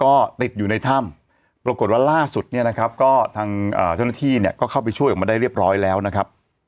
ก็ติดอยู่ในถ้ำปรากฏว่าล่าสุดท่านที่ก็เข้าไปช่วยออกมาได้เรียบร้อยแล้วนะครับ